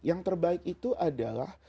yang terbaik itu adalah